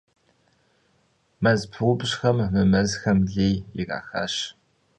МэзпыупщӀхэм мы мэзхэм лей ирахащ.